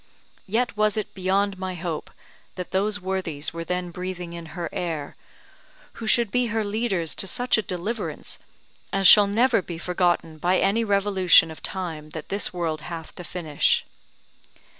Yet was it beyond my hope that those worthies were then breathing in her air, who should be her leaders to such a deliverance, as shall never be forgotten by any revolution of time that this world hath to finish.